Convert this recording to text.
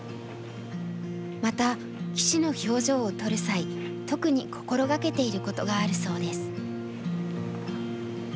また棋士の表情を撮る際特に心がけていることがあるそうです。